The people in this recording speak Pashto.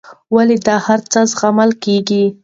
ولې دا هرڅه زغمل کېږي.